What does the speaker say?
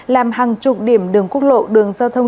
làm hàng chục điểm đường quốc lộ đường giao thông